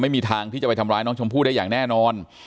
ไม่มีทางที่จะไปทำร้ายน้องชมพู่ได้อย่างแน่นอน